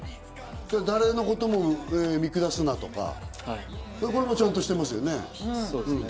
誰のことも見下すなとか、これもちゃんとしてますね。